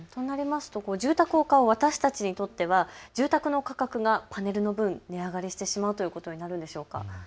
住宅を買う私たちにとっては住宅の価格がパネルの分、値上がりしてしまうということになるんでしょうか。